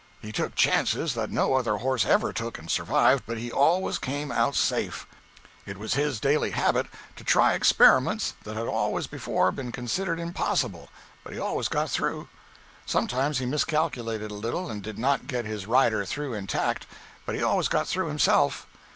He took chances that no other horse ever took and survived, but he always came out safe. It was his daily habit to try experiments that had always before been considered impossible, but he always got through. Sometimes he miscalculated a little, and did not get his rider through intact, but he always got through himself.